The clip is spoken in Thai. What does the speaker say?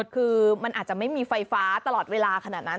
คือมันอาจจะไม่มีไฟฟ้าตลอดเวลาขนาดนั้น